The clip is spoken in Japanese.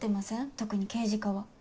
特に刑事課は。